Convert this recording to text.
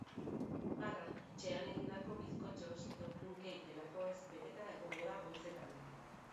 Barra etxean egindako bizkotxoz edo plum cake delakoez beteta egongo da goizetan.